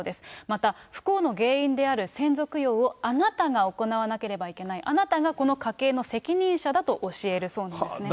また、不幸の原因である先祖供養をあなたが行わなければいけない、あなたがこの家系の責任者だと教えるそうなんですね。